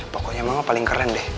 pokoknya mama paling keren deh